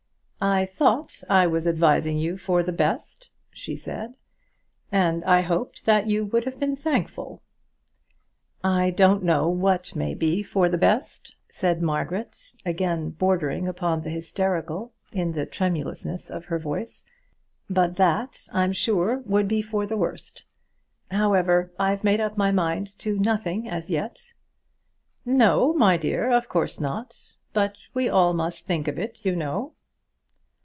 "I thought I was advising you for the best," she said, "and I hoped that you would have been thankful." "I don't know what may be for the best," said Margaret, again bordering upon the hysterical in the tremulousness of her voice, "but that I'm sure would be for the worst. However, I've made up my mind to nothing as yet." "No, my dear; of course not; but we all must think of it, you know."